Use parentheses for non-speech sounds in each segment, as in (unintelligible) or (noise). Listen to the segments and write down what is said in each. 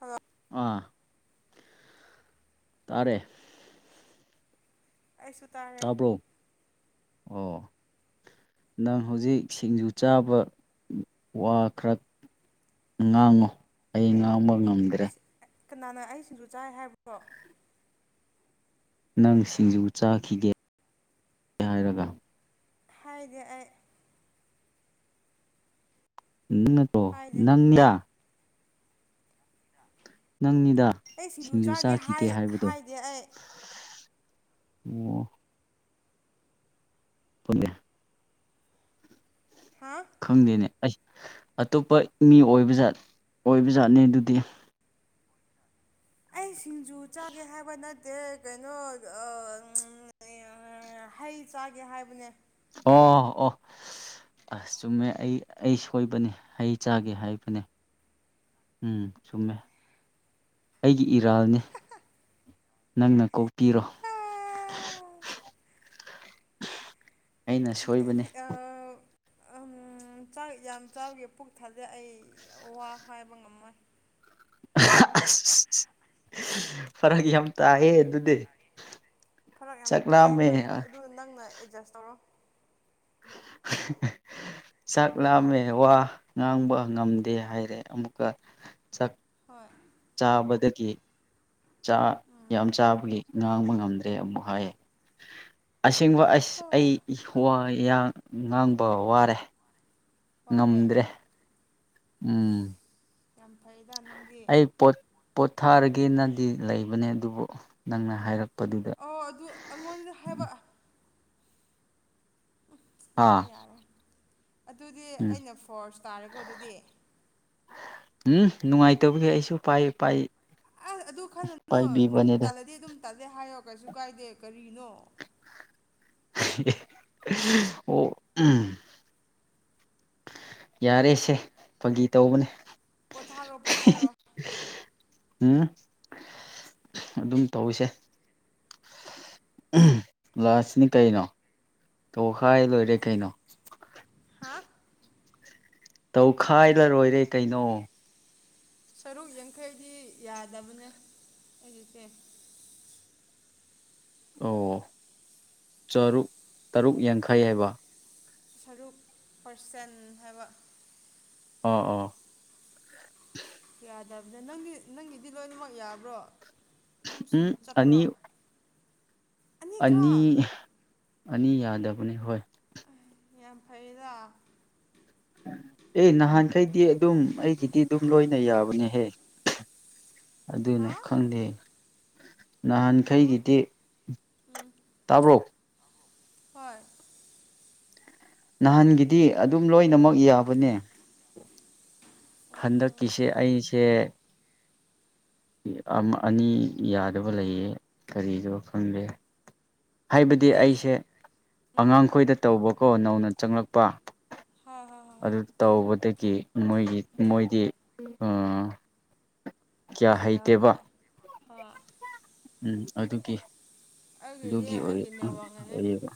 ꯑꯥ ꯑꯥ ꯇꯥꯔꯦ ꯑꯩꯁꯨ ꯇꯥꯔꯦ ꯇꯥꯕ꯭ꯔꯣ ꯑꯣ ꯅꯪ ꯍꯧꯖꯤꯛ ꯁꯤꯡꯖꯨ ꯆꯥꯕ ꯋ ꯋꯥ ꯈꯔ ꯉꯥꯡꯉꯨ ꯑꯩ ꯉꯥꯡꯕ ꯉꯝꯗ꯭ꯔꯦ ꯀꯅꯥꯅ ꯑꯩ ꯁꯤꯡꯖꯨ ꯆꯥꯏ ꯍꯥꯏꯕꯔ‌ꯣ ꯅꯪ ꯁꯤꯡꯖꯨ ꯆꯥꯈꯤꯒꯦ (inaudible) ꯍꯥꯏꯔꯒ ꯍꯥꯏꯗꯤꯌ‌ꯦ ꯑꯩ ꯎ (unintelligible) ꯇꯣ ꯍꯥꯏꯗꯦ ꯅꯪꯂꯥ ꯅꯪꯅꯤꯗ ꯑꯩ ꯁꯤꯡꯖꯨ ꯆꯥꯒꯦ ꯆꯥꯈꯤꯒꯦ ꯍꯥꯏ ꯍꯥꯏꯕꯗꯣ ꯍꯥꯏꯗꯦ ꯑꯩ ꯑꯣ ꯐꯨꯂ‌ꯦ ꯍꯥ ꯈꯪꯗꯦꯅꯦ ꯑꯩ ꯑꯇꯣꯞꯄ ꯃꯤ ꯑꯣꯏꯕꯠ ꯑꯣꯏꯕꯖꯥꯠꯅꯤ ꯑꯗꯨꯗꯤ ꯑꯩ ꯁꯤꯡꯖꯨ ꯆꯥꯒꯦ ꯍꯥꯏꯕꯅ ꯅꯠꯇꯦ ꯀꯩꯅꯣ ꯍꯩ ꯆꯥꯒꯦ ꯍꯥꯏꯕꯅꯦ ꯑꯣ ꯑꯣ ꯑꯁ ꯆꯨꯝꯃꯦ ꯑꯩ ꯑꯩ ꯁꯣꯏꯕꯅꯤ ꯍꯩ ꯆꯥꯒꯦ ꯍꯥꯏꯕꯅꯦ ꯎꯝ ꯆꯨꯝꯃꯦ ꯑꯩꯒꯤ ꯏꯔꯥꯜꯅꯤ ꯅꯪꯅ ꯀꯣꯛꯄꯤꯔꯣ ꯑꯩꯅ ꯁꯣꯏꯕꯅꯤ ꯑꯃ ꯥꯛ ꯌꯥꯝ ꯆꯥꯎꯈꯤ ꯄꯨꯛ ꯊꯥꯖꯩ ꯑꯩ ꯋꯥ ꯍꯥꯏꯕ ꯉꯝꯃꯣꯏ ꯑꯁ ꯐꯔꯛ ꯌꯥꯝ ꯇꯥꯏꯌꯦ ꯑꯗꯨꯗꯤ ꯐꯔꯛ ꯌꯥꯝ ꯆꯥꯛ ꯇꯥꯏꯌꯦ ꯂꯥꯝꯃꯦ ꯍꯣꯏ ꯑꯗꯨ ꯅꯪꯅ ꯑꯦꯗꯖꯁ ꯇꯧꯔꯣ (unintelligible) ꯆꯥꯛ ꯂꯥꯝꯃꯦ ꯋꯥ ꯉꯥꯡꯕ ꯉꯝꯗꯦ ꯍꯥꯏꯔꯦ ꯑꯃꯨꯛꯀ ꯆꯥꯛ ꯍꯣꯏ ꯆꯥꯕꯗꯗꯒꯤ ꯆꯥ ꯌꯥꯝ ꯆꯥꯕꯒꯤ ꯉꯥꯡꯕ ꯉꯝꯗ꯭ꯔꯦ ꯑꯃꯨꯛ ꯍꯥꯏꯌꯦ ꯑꯁꯦꯡꯕ ꯑꯁ ꯍꯣꯏ ꯑꯩ ꯉꯥꯡꯕ ꯋꯥꯔꯦ ꯋꯥꯔꯦ ꯉꯝꯗ꯭ꯔꯦ ꯎꯝ ꯌꯥꯝ ꯐꯩꯗ ꯅꯨꯡꯗꯤ ꯑꯩ ꯄꯣ ꯄꯣꯊꯥꯔꯒꯦꯅꯗꯤ ꯂꯩꯕꯅꯦ ꯑꯗꯨꯕꯨ ꯅꯪꯅ ꯍꯥꯏꯔꯛ ꯑꯣ ꯑꯗꯨ ꯑꯩꯉꯣꯟꯗ ꯍꯥꯏꯕ ꯎ ꯑꯥ ꯌꯥꯔꯦ ꯌꯥꯔꯦ ꯑꯗꯨꯗꯤ ꯎꯝ ꯑꯩꯅ ꯐꯣꯔꯁ ꯇꯥꯔꯦꯀꯣ ꯑꯗꯨꯗꯤ ꯎꯝ ꯅꯨꯡꯉꯥꯏꯇꯕꯒꯤ ꯑꯩꯁꯨ ꯄꯥꯏ ꯄꯥꯏ ꯑꯁ ꯑꯗꯨ ꯈꯜꯂꯅꯨ ꯅꯪ ꯄꯥꯏꯕꯤꯕꯅꯦꯗ ꯇꯥꯜꯂꯗꯤ ꯑꯗꯨꯝ ꯇꯥꯗꯦ ꯍꯥꯏꯌꯣ ꯀꯩꯁꯨ ꯀꯥꯏꯗꯦ ꯀꯔꯤꯅꯣ ꯑꯣ ꯎꯝ ꯌꯥꯔꯦꯁꯦ ꯐꯪꯒꯤ ꯇꯧꯕꯅꯦ ꯄꯊꯥꯔꯣ ꯄꯊꯥꯔꯣ ꯎꯝ ꯑꯗꯨꯝ ꯇꯧꯁꯦ ꯂꯥꯁꯁꯤꯅꯤ ꯀꯩꯅꯣ ꯇꯣꯈꯥꯏ ꯂꯣꯏꯔꯦ ꯀꯩꯅꯣ ꯍꯥ ꯇꯧꯈꯥꯏꯂꯔꯣꯏꯔꯦ ꯀꯩꯅꯣ ꯁꯔꯨꯛ ꯌꯥꯡꯈꯩꯗꯤ ꯌꯥꯗꯕꯅꯦ ꯍꯧꯖꯤꯛꯁꯦ ꯑꯣ ꯆꯔꯨꯛ ꯇꯔꯨꯛ ꯌꯥꯡꯈꯩ ꯍꯥꯏꯕ ꯁꯔꯨꯛ ꯄꯔꯁꯦꯟ ꯍꯥꯏꯕ ꯑ ꯑ ꯌꯥꯗꯕꯗ ꯅꯪꯒꯤ ꯅꯪꯒꯤꯗꯤ ꯂꯣꯏꯅꯃꯛ ꯌꯥꯕ꯭ꯔꯣ ꯑꯗꯨꯝ ꯎꯝ ꯏꯁꯃꯨꯠ ꯆꯠꯄ꯭ꯔꯣ ꯑꯅꯤ ꯑꯅꯤ ꯑꯅꯤꯈꯛ ꯑꯅꯤ ꯌꯥꯗꯕꯅꯤ ꯍꯣꯏ ꯌꯥꯝ ꯐꯩꯌꯦꯗ ꯑꯦ ꯅꯍꯥꯟꯈꯩꯗꯤ ꯑꯗꯨꯝ ꯑꯩꯒꯤꯗꯤ ꯑꯗꯨꯝ ꯂꯣꯏꯅ ꯌꯥꯕꯅꯦꯍꯦ (unintelligible) ꯑꯗꯨꯅ ꯈꯪꯗꯦ ꯀꯩꯕ ꯅꯍꯥꯟꯈꯩꯒꯤꯗꯤ ꯎꯝ ꯇꯥꯕ꯭ꯔꯣ ꯍꯣꯏ ꯅꯍꯥꯟꯒꯤꯗꯤ ꯑꯗꯨꯝ ꯂꯣꯏꯅꯃꯛ ꯌꯥꯕꯅꯦ ꯎꯝ ꯍꯟꯗꯛꯀꯤꯁꯦ ꯑꯩꯁꯦ ꯑꯅꯤ ꯌꯥꯗꯕ ꯂꯩꯌꯦ ꯀꯔꯤꯗꯣ ꯈꯪꯗꯦ ꯍꯥꯏꯕꯗꯤ ꯑꯩ ꯑꯩꯁꯦ ꯎꯝ ꯑꯉꯥꯡꯈꯣꯏꯗ ꯇꯧꯕꯀꯣ ꯅꯧꯅ ꯆꯪꯂꯛꯄ ꯍꯣꯏ ꯍꯣꯏ ꯍꯣꯏ ꯑꯗꯨ ꯍꯣꯏ ꯇꯧꯕꯗꯒꯤ ꯃꯣꯏꯒꯤ ꯃꯣꯏꯗꯤ ꯀꯌꯥ ꯍꯩꯇꯦꯕ ꯍꯥ ꯎꯝ ꯑꯗꯨꯒꯤ ꯑꯩꯒꯤꯗꯤ ꯑꯗꯨꯒꯤ ꯑꯣꯏ ꯑꯩꯒꯤ ꯅꯦꯠꯋꯥꯛꯅꯅꯦ ꯑꯣꯏꯕ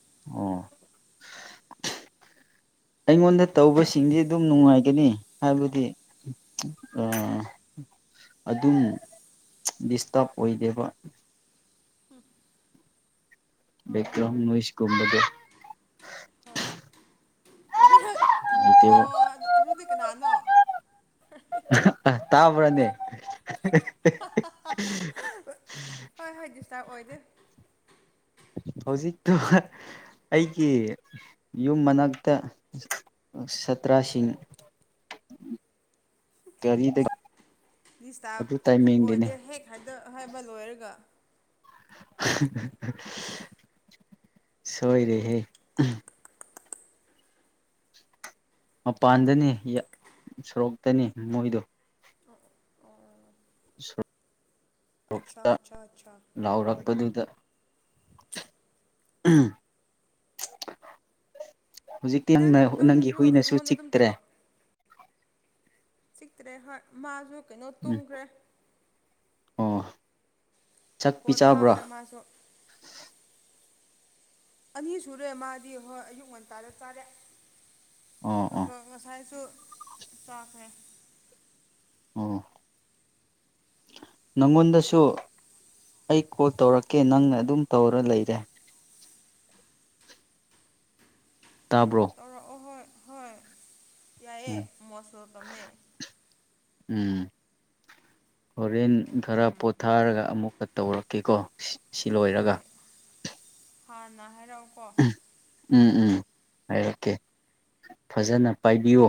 (unintelligible) ꯑꯩꯉꯣꯟꯗ ꯇꯧꯕꯁꯤꯡꯁ ꯑꯗꯨꯝ ꯅꯨꯡꯉꯥꯏꯒꯅꯤ ꯍꯥꯏꯕꯗꯤ ꯑꯗꯨꯝ ꯗꯤꯁꯇꯔꯕ ꯑꯣꯏꯗꯦꯕ ꯃꯥꯅꯦ ꯕꯒ꯭ꯔꯣꯍꯝ ꯃꯥꯅꯦ ꯂꯣꯏꯁꯀꯨꯝꯕꯒꯦ ꯐ ꯍ (unintelligible) ꯑꯗꯨꯗꯤ ꯀꯅꯥꯅꯣ ꯇꯥꯕ꯭ꯔꯅꯦ ꯍꯣꯏ ꯍꯣꯏ ꯗꯤꯁꯇ ꯍꯧꯖꯤꯛꯇꯣ ꯑꯩꯒꯤ ꯌꯨꯝ ꯃꯅꯥꯛꯇ ꯁꯇ꯭ꯔꯥꯁꯤꯡ (unintelligible) ꯀꯔꯤꯗ ꯗꯤꯁꯇꯥꯔꯕ ꯑꯣꯏꯗꯦ ꯍꯦꯛ ꯍꯥꯏꯗ ꯍꯥꯏꯕ ꯂꯣꯏꯔꯒ ꯁꯏꯔꯍꯦ ꯃꯄꯥꯟꯗꯅꯤ ꯁꯣꯔꯣꯛꯇꯅꯤ ꯃꯣꯏꯗꯨꯣ ꯑꯠꯆꯥ ꯑꯠꯆꯥ ꯑꯠꯆꯥ ꯂꯥꯎꯔꯛꯄꯗꯨꯗ ꯎꯝ ꯍꯧꯖꯤꯛꯇꯤ ꯅꯪ ꯅꯪꯒꯤ ꯅꯪꯅꯁꯨ ꯍꯨꯏꯅꯁꯨ ꯑꯩꯉꯣꯟꯗ ꯑꯗꯨꯝ ꯆꯤꯛꯇ꯭ꯔꯦ ꯇꯧꯔꯛ ꯆꯤꯛꯇ꯭ꯔꯦ ꯍꯣꯏ ꯃꯥꯁꯨ ꯀꯩꯅꯣ ꯎꯝ ꯇꯨꯝꯈ꯭ꯔꯦ ꯑꯣ ꯆꯥꯛ ꯄꯣꯊꯥ ꯄꯤꯖꯕ꯭ꯔꯥ ꯀ ꯃꯥꯁꯨ ꯑꯅꯤ ꯁꯨꯔꯦ ꯃꯥꯗꯤ ꯍꯣꯏ ꯑꯌꯨꯛ ꯉꯟꯇꯥꯗ ꯆꯥꯔꯦ ꯑꯣ ꯑꯣ ꯑꯗꯨꯒ ꯉꯁꯥꯏꯁꯨ ꯆꯥꯛꯈ꯭ꯔꯦ ꯑ ꯅꯪꯉꯣꯟꯗꯁꯨ ꯑꯩ ꯀꯣꯜ ꯇꯧꯔꯛꯀꯦ ꯅꯪꯅ ꯑꯗꯨꯝ ꯇꯧꯔ ꯂꯩꯔꯦ ꯇꯥꯕ꯭ꯔꯣ ꯇꯧꯔꯛꯑꯣ ꯍꯣꯏ ꯍꯣꯏ ꯌꯥꯏꯑꯦ ꯎꯝ ꯃꯣꯁ ꯋꯦꯜꯀꯝꯅꯦ ꯎꯝ ꯍꯣꯔꯦꯟ ꯈꯔ ꯎꯝ ꯄꯣꯊꯥꯔꯒ ꯑꯃꯨꯛꯀ ꯇꯧꯔꯛꯀꯦꯀꯣ ꯁꯤ ꯂꯣꯏꯔꯒ ꯍꯥꯥ ꯅ ꯍꯦꯔ ꯎꯝ ꯎꯝ ꯍꯥꯏꯔꯛꯀꯦ ꯐꯖꯅ ꯄꯥꯏꯕꯤꯌꯨ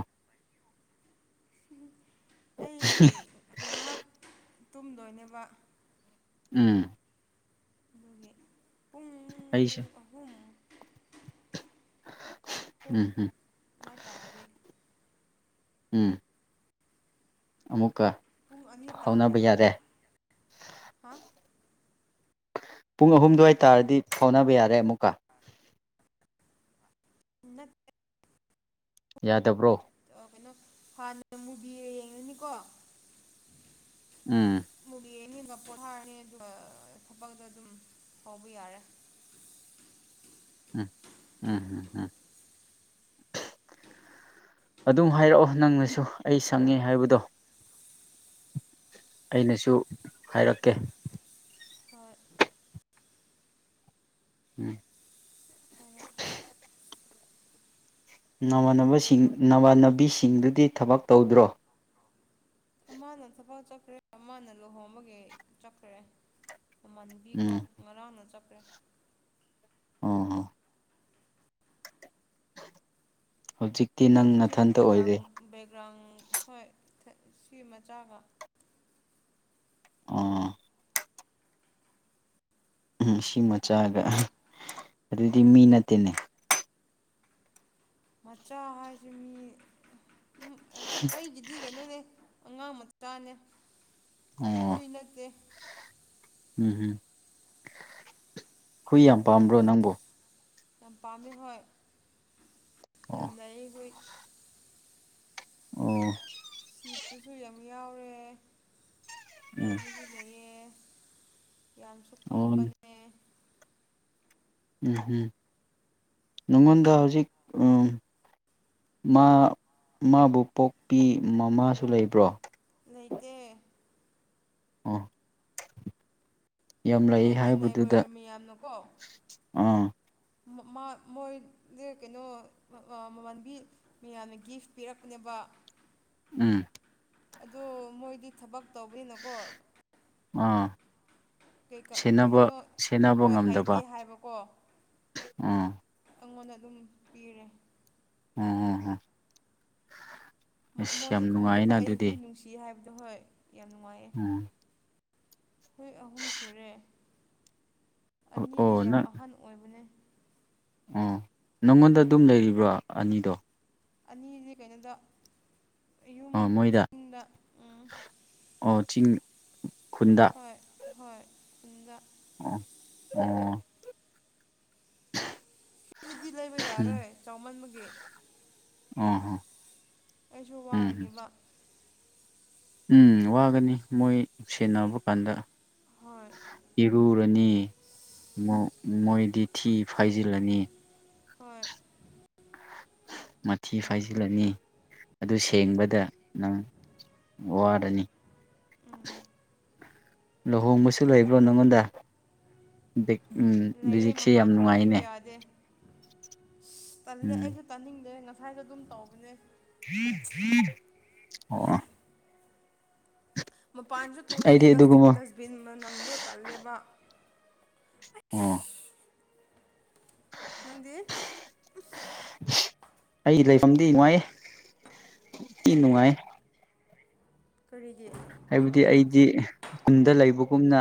ꯎꯝ (unintelligible) ꯇꯨꯝꯗꯣꯏꯅꯕ ꯎꯝ ꯑꯗꯨꯒꯒꯦ ꯑꯩꯩꯁ ꯍꯨꯝ ꯎꯝ ꯎꯝ ꯃ ꯇꯥꯔꯦ ꯎꯝ ꯑꯃꯨꯛꯀ ꯄꯨꯡ ꯑꯅꯤ ꯇꯥꯔꯦ ꯐꯥꯎꯅꯕ ꯌꯥꯔꯦ ꯍꯥ ꯄꯨꯡ ꯑꯍꯨꯝ ꯑꯗꯨꯋꯥꯏ ꯇꯥꯔꯗꯤ ꯐꯥꯎꯅꯕ ꯌꯥꯔꯦ ꯑꯃꯨꯛꯀ ꯠꯇ ꯌꯥꯗꯕ꯭ꯔꯣ ꯀꯩꯅꯣ ꯍꯥꯟꯅ ꯃꯨꯕꯤ ꯌꯦꯡꯉꯅꯤꯀꯣ ꯎꯝ ꯌꯦ ꯑꯅꯤꯕ ꯄꯣꯠ ꯍꯥꯔꯅꯤ ꯑꯗꯨꯒ ꯊꯕꯛꯗ ꯑꯗꯨꯝ ꯐꯥꯎꯕ ꯌꯥꯔꯦ (inaudible) ꯎꯝ ꯎꯝ ꯎꯝ ꯎꯝ ꯑꯗꯨꯝ ꯍꯥꯏꯔꯛꯑꯣ ꯅꯪꯅꯁꯨ ꯑꯩ ꯁꯪꯉꯦ ꯍꯥꯏꯕꯗꯣ ꯑꯩꯅꯁꯨ ꯍꯥꯏꯔꯛꯀꯦ ꯍꯣꯏ ꯎꯝ ꯑꯣ ꯀ ꯅꯃꯥꯟꯅꯕꯁꯤꯡ ꯅꯃꯥꯟꯅꯕꯤꯁꯤꯡꯗꯨꯗꯤ ꯊꯕꯛ ꯇꯧꯗ꯭ꯔꯣ ꯑꯃꯅ ꯊꯕꯛ ꯆꯠꯈ꯭ꯔꯦ ꯑꯃꯅ ꯂꯨꯍꯣꯡꯕꯒꯤ ꯆꯠꯈ꯭ꯔꯦ ꯃꯃꯟꯕꯤ ꯀꯣ ꯎꯝ ꯉꯔꯥꯡꯅ ꯆꯠꯈ꯭ꯔꯦ ꯑ (inaudible) ꯅꯪ ꯑꯩꯒꯤꯁꯨ ꯅꯊꯟꯇ ꯕꯦꯛꯒ꯭ꯔꯥꯎꯟ ꯑꯣꯏꯔꯦ ꯕꯦꯛꯒ꯭ꯔꯥꯎꯟ ꯍꯣꯏ ꯁꯤ ꯃꯆꯥꯒ ꯑꯣ ꯎꯝ ꯁꯤ ꯃꯆꯥꯒ ꯑꯗꯨꯗꯤ ꯃꯤ ꯅꯠꯇꯦꯅꯦ ꯃꯆꯥ ꯍꯥꯏꯁꯤ ꯃꯤ ꯎꯝ ꯑꯩꯒꯤꯗꯤ ꯀꯩꯅꯣꯗꯦ ꯑꯉꯥꯡ ꯃꯆꯥꯅꯦ ꯑꯣ ꯍꯨꯏ ꯅꯠꯇꯦ ꯎꯝ ꯎꯝ ꯍꯨꯏ ꯌꯥꯝ ꯄꯥꯝꯕ꯭ꯔꯣ ꯅꯪꯕꯨ ꯌꯥꯝ ꯄꯥꯝꯃꯦ ꯍꯣꯏ ꯌꯥꯝ ꯑꯣ ꯂꯌꯦ ꯍꯣꯏ ꯑꯣ ꯏꯕꯁꯨ ꯌꯥꯝ ꯌꯥꯎꯔꯦ ꯎꯝ ꯍꯤꯡꯕꯁꯨ ꯂꯩꯌꯦ ꯌꯥꯝꯁꯨ ꯑꯣ ꯀꯞꯄꯅꯦ ꯎꯝꯝ ꯅꯪꯉꯣꯟꯗ ꯍꯧꯖꯤꯛ ꯎ ꯃꯥꯕꯨ ꯄꯣꯛꯄꯤ ꯃꯃꯥꯁꯨ ꯂꯩꯕ꯭ꯔꯣ ꯂꯩꯇꯦ ꯑ ꯌꯥꯝ ꯂꯩꯥꯛ ꯑꯩꯈꯣꯏꯒꯤ ꯍꯥꯏꯕꯗꯨꯗ ꯅꯥꯏꯕꯔ ꯃꯌꯥꯝꯅꯀꯣ ꯑꯥ ꯃꯣꯏ ꯀꯩꯅꯣ ꯃꯃꯥꯟꯕꯤ ꯃꯌꯥꯝꯅ ꯒꯤꯐ ꯄꯤꯔꯛꯄꯅꯦꯕ ꯀ ꯎꯝ ꯑ ꯃꯣꯏꯗꯤ ꯊꯕꯛ ꯇꯧꯕꯅꯀꯣ ꯑꯥ ꯁꯦꯟꯅꯕ ꯀꯩꯅꯣ ꯁꯦꯟꯅꯕ ꯍꯣꯏ ꯉꯝꯗꯕ ꯍꯩꯇꯦ ꯍꯥꯏꯕꯀꯣ ꯑꯥ ꯑꯩꯉꯣꯟꯗ ꯑꯗꯨꯝ ꯄꯤꯔꯦ ꯎꯝꯝꯝ ꯃꯣꯏꯁꯨ ꯈꯪꯕꯅꯦꯕ ꯑꯩ ꯍꯨꯏ ꯅꯨꯡꯁꯤ ꯍꯥꯏꯕꯗꯣ ꯍꯣꯏ ꯌꯥꯝ ꯅꯨꯡꯉꯥꯏꯌꯦꯦ ꯎꯝ ꯍꯣꯏ ꯑꯍꯨꯝ ꯁꯨꯔꯦ ꯑꯅꯤꯗꯤ ꯑꯣ ꯌꯥꯝ ꯅꯪ ꯑꯍꯟ ꯑꯣꯏꯕꯅꯦ ꯑꯣ ꯅꯪꯉꯣꯟꯗ ꯑꯗꯨꯝ ꯂꯩꯔꯤꯕ꯭ꯔꯥ ꯑꯅꯤꯗꯣ ꯑꯅꯤꯁꯦ ꯀꯩꯅꯣꯗ ꯌꯨꯝ ꯑ ꯃꯣꯏꯗ ꯆꯤꯡꯗ ꯎꯝ ꯑꯣ ꯆꯤꯡ ꯈꯨꯟꯗ ꯍꯣꯏ ꯍꯣꯏ ꯑꯗꯨꯗ ꯑ ꯎꯝ ꯁꯤꯗꯗꯤ ꯂꯩꯕ ꯎꯝ ꯌꯥꯔꯣꯏ ꯆꯥꯎꯃꯟꯕ ꯑꯍꯣ ꯑꯩꯁꯨ ꯋꯥꯅꯦꯕ ꯎꯝ ꯋꯥꯒꯅꯤ ꯃꯣꯏ ꯁꯦꯟꯅꯕ ꯀꯥꯟꯗ ꯍꯣꯏ ꯏꯔꯨꯔꯅꯤ ꯃꯣꯏꯗꯤ ꯊꯤ ꯐꯥꯏꯖꯤꯜꯂꯅꯤ ꯍꯣꯏ ꯃꯊꯤ ꯐꯥꯏꯖꯤꯜꯂꯅꯤ ꯑꯗꯨ ꯁꯦꯡꯕꯗ ꯅꯪ ꯋꯥꯔꯅꯤ ꯎꯝ ꯂꯨꯍꯣꯡꯕꯁꯨ ꯂꯩꯕ꯭ꯔꯣ ꯅꯪꯉꯣꯟꯗ ꯎꯝ ꯂꯩꯌꯦ ꯍꯧꯖꯤꯛꯁꯤꯦ ꯌꯥꯝ ꯃꯄꯥꯟ ꯊꯣꯛꯄꯁꯨ ꯅꯨꯡꯉꯥꯏꯅꯦ ꯌꯥꯗꯦ ꯇꯜꯂꯦ ꯎꯝ ꯑꯩꯁꯨ ꯇꯥꯅꯤꯡꯗꯦ ꯉꯁꯥꯏꯁꯨ ꯑꯗꯨꯝ ꯇꯧꯕꯅꯦ (unintelligible) ꯃꯄꯥꯟꯁꯨ ꯊꯣꯛꯅꯤꯡꯉꯤ ꯑꯩꯗꯤ ꯑꯗꯨꯒꯨꯝꯕ ꯗꯁꯕꯤꯟ ꯃ ꯅꯝꯂꯣ ꯇꯜꯂꯦꯕ ꯑ꯫ ꯅꯗꯤ꯫ ꯑꯩ ꯂꯩꯐꯝꯗꯤ ꯅꯨꯡꯉꯥꯏꯤ ꯅꯨꯡꯉꯥꯏ꯫ ꯀꯔꯤꯒꯤ꯫ ꯍꯥꯏꯕꯗꯤ ꯑꯩꯗꯤ ꯀꯨꯝꯗ ꯂꯩꯕꯒꯨꯝꯅ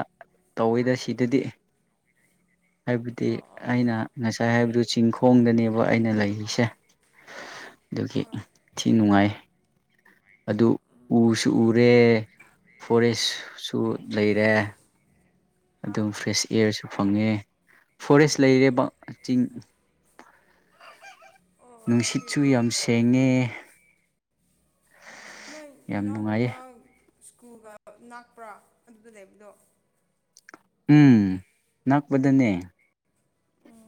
ꯇꯧꯋꯦꯗ ꯁꯤꯗꯗꯤ꯫ ꯍꯥꯏꯕꯗꯤ ꯑꯣ ꯑꯣ ꯑꯩꯅ ꯑꯣ ꯑꯣ ꯉꯁꯥꯏ ꯍꯥꯏꯕꯗꯨ ꯆꯤꯡꯈꯣꯡꯗꯅꯦꯕ ꯑꯩꯅ ꯂꯩꯔꯤꯁꯦ꯫ ꯫ ꯑꯗꯨꯒꯤ ꯊꯤ ꯅꯨꯡꯉꯥꯏ ꯑꯗꯨ ꯎꯁꯨ ꯎꯔꯦ꯫ ꯐꯣꯔꯦꯁꯁꯨ ꯂꯩꯔꯦ ꯍꯥ ꯑꯗꯨꯝ ꯐ꯭ꯔꯦꯁ ꯏꯌꯥꯔꯁꯨ ꯐꯪꯉꯦ ꯑꯣ ꯐꯣꯔꯦꯁ ꯂꯩꯔꯦꯕ ꯆꯤꯡ ꯑꯣ ꯑꯣꯀꯦ ꯅꯨꯡꯁꯤꯠꯁꯨ ꯑꯣꯀꯦ ꯌꯥꯝ ꯁꯦꯡꯉꯦ ꯅꯣꯏ ꯌꯥꯝ ꯅꯅꯥꯎ ꯅꯨꯡꯉꯥꯏꯌꯦ ꯅꯨꯄꯥ ꯁ꯭ꯀꯨꯜꯒ ꯥꯛꯄ꯭ꯔꯥ ꯑꯗꯨꯗ ꯂꯩꯕꯗꯣ ꯎꯝ ꯅꯛꯄꯗꯅꯦ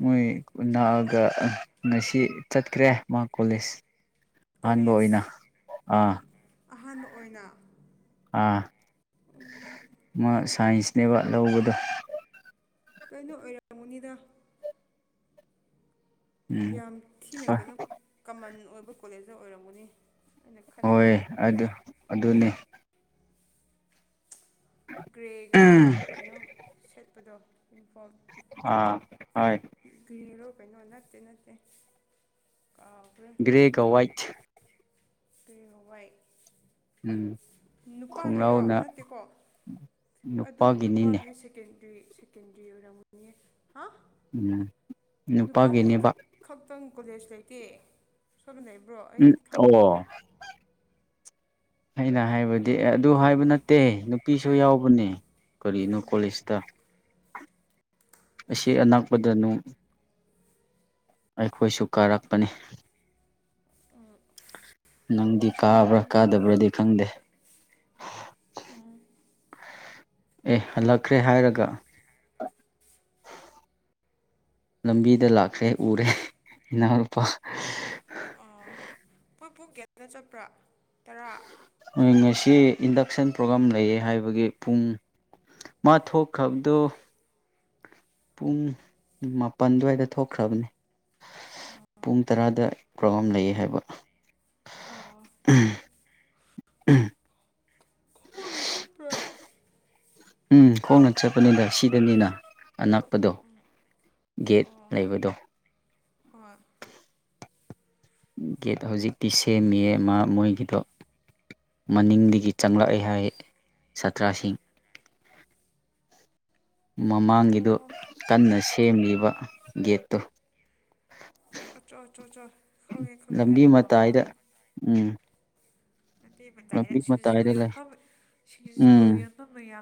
ꯃꯣꯏꯑ ꯑꯗꯨꯒ ꯉꯁꯤ ꯆꯠꯈ꯭ꯔꯦ ꯃꯥ ꯀꯣꯂꯦꯖ ꯑꯍꯥꯟꯕ ꯀꯣꯂꯦꯖ ꯑꯣꯏꯅ ꯑꯥ ꯑꯍꯥꯟꯕ ꯑꯣꯏꯅ ꯑꯥ ꯃꯥ ꯁꯥꯏꯟꯁꯅꯦꯕ ꯂꯧꯕꯗꯣ ꯀꯩꯅꯣ ꯑꯣꯏꯔꯝꯃꯨꯅꯤꯗ ꯎꯝ ꯌꯥꯝ ꯊꯤꯅ ꯍꯣꯏ ꯀꯩꯅꯣ ꯀꯃꯟ ꯑꯣꯏꯕ ꯀꯣꯂꯦꯖꯅ ꯑꯣꯏꯔꯝꯒꯅꯤ ꯑꯩꯅ ꯍꯣꯏ ꯈꯟꯕꯗꯤ ꯑꯗꯨ ꯑꯗꯨꯅꯤ ꯒ꯭ꯔꯦꯒ ꯀꯩꯅꯣ ꯁꯦꯠꯄꯗꯣ ꯏꯐ ꯑꯥ ꯍꯣꯏ ꯀꯔꯣ ꯀꯩꯅꯣ ꯅꯠꯇꯦ ꯅꯠꯇꯦ ꯀꯥꯎꯈ꯭ꯔꯦ ꯒ꯭ꯔꯦꯒ ꯋꯥꯏꯠ ꯀ ꯄꯥꯏ ꯎꯝ ꯈꯣꯡꯅꯥꯎꯅ ꯅꯠꯇꯦꯀꯣ ꯑꯗꯨꯗꯤ ꯅꯨꯄꯥꯒꯤ ꯁꯦꯀꯦꯟꯗ꯭ꯔꯤ ꯁꯦꯀꯦꯟꯗ꯭ꯔꯤ ꯑꯣꯏꯔꯝꯒꯅꯤ ꯍꯥ ꯎꯝ ꯅꯨꯄꯥꯒꯤ ꯅꯨꯄꯥꯒꯤꯅꯦꯕ ꯈꯛꯇꯪ ꯀꯣꯂꯦꯖ ꯂꯩꯇꯦ ꯆꯠꯅ ꯂꯩꯕ꯭ꯔꯣ ꯑꯩ ꯎꯝ ꯐꯪꯗꯦ ꯑꯣ ꯑꯩꯅ ꯍꯥꯏꯕꯗꯤ ꯑꯗꯨ ꯍꯥꯏꯕ ꯅꯠꯇꯦ ꯅꯨꯄꯤꯁꯨ ꯌꯥꯎꯕꯅꯦ ꯀꯔꯤꯅꯣ ꯀꯣꯂꯦꯖꯇ ꯑꯁꯤ ꯑꯅꯛꯄꯗꯅꯨ ꯑꯩꯈꯣꯏꯁꯨ ꯀꯥꯔꯛꯄꯅꯤ ꯅꯪꯗꯤ ꯇꯁꯃꯤꯟ ꯀꯥꯕ꯭ꯔꯥ ꯀꯥꯗꯕ꯭ꯔꯗꯤ ꯈꯪꯗꯦ ꯑꯝ ꯑꯦ ꯍꯜꯂꯛꯈ꯭ꯔꯦ ꯍꯥꯏꯔꯒ (inaudible) ꯂꯝꯕꯤꯗ ꯑꯣ ꯂꯥꯛꯈ꯭ꯔꯦ ꯎꯔꯦ ꯏꯅꯥꯎꯄꯥ ꯑꯩꯈꯣꯏ ꯐꯨꯡ ꯒꯦꯗ ꯆꯠꯄ꯭ꯔꯥ ꯇꯔꯥ ꯉꯁꯤ ꯏꯟꯗꯛꯁꯟ ꯄ꯭ꯔꯣꯒꯥꯝ ꯂꯩꯌꯦ ꯍꯥꯏꯕꯒꯤ ꯄꯨꯡ ꯃꯥ ꯊꯣꯛꯈ꯭ꯔꯕꯗꯣ ꯄꯨꯡ ꯃꯥꯄꯜ ꯑꯗꯨꯋꯥꯏꯗ ꯊꯣꯛꯈ꯭ꯔꯕꯅꯦ ꯄꯨꯡ ꯇꯔꯥꯗ ꯄ꯭ꯔꯣꯒꯥ꯭ꯔꯝ ꯂꯩꯌꯦ ꯍꯥꯏꯕ ꯑꯣ ꯎꯝ ꯅ ꯎꯝ ꯈꯣꯡꯅ ꯆꯠꯄꯅꯤꯗ ꯁꯤꯗꯅꯤꯅ ꯑꯛ ꯄꯗꯣ ꯒꯦꯠ ꯑꯣ ꯂꯩꯕꯗꯣ ꯍꯣꯏ ꯒꯦꯠ ꯍꯧꯖꯤꯛꯇꯤ ꯁꯦꯝꯃꯤꯌꯦ ꯃꯥ ꯃꯣꯏꯒꯤꯗꯣ ꯃꯅꯤꯡꯗꯒꯤ ꯆꯪꯂꯛꯑꯦ ꯍꯥꯏ ꯁꯥꯇ꯭ꯔꯁꯤꯡ (inaudible) ꯃꯃꯥꯡꯒꯤꯗꯨ ꯑꯣ ꯀꯟꯅ ꯁꯦꯝꯂꯤꯕ ꯒꯦꯠꯇꯨ ꯑꯆꯣ ꯑꯆꯣ ꯀꯧꯏꯦ ꯈꯧꯋꯦ ꯑ ꯂꯝꯕꯤ ꯃ ꯐꯥꯎ ꯃꯇꯥꯏꯗ ꯐꯥꯎꯉꯦ ꯎꯝ ꯑꯃꯗꯤꯇꯩ ꯃꯇꯥꯏꯅ ꯂꯝꯕꯤ ꯁꯤꯡꯖꯨ ꯃꯇꯥꯏꯗ ꯂꯩ ꯌꯣꯟꯐꯝ ꯁꯤꯡꯖꯨ ꯎꯝ ꯌꯣꯟꯐꯝ ꯃꯌꯥꯝ